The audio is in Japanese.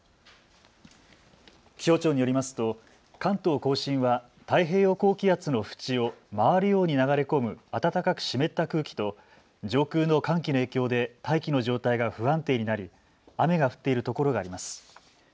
気象庁によりますと関東甲信は太平洋高気圧の縁を回るように流れ込む暖かく湿った空気と上空の寒気の影響で大気の状態が不安定になり雨が降っているところがあります。